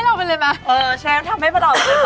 เออเชฟทำให้เราไปเลย